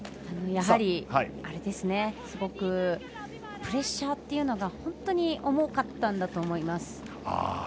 やはり、すごくプレッシャーというのが本当に重かったんだと思います。